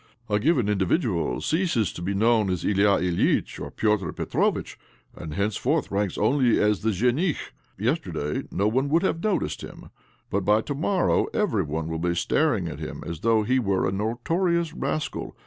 A given indi vidual ceases to be known as Ilya Ilyitch or Peter Petrovitch, and henceforth ranks only as the zhenich.^ Yesterday no one would have noticed him, but by to morrow every one will be staring at him as though he were ' Bridegroom to be. OBLOMOV 209 a notorious rascal.